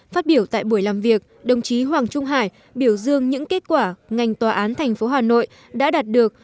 phát biểu tại buổi làm việc đồng chí hoàng trung hải biểu dương những kết quả ngành tòa án thành phố hà nội đã đạt được